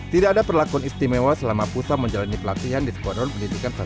tidak ada perlakuan istimewa selama pusat menjalani pelatihan di squadron pendidikan satu ratus lima